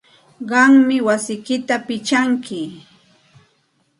Qammi wasiyki pichanki.